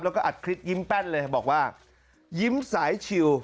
แล้วก็อัดคลิปยิ้มแป้นเลยบอกว่ายิ้มสายชิว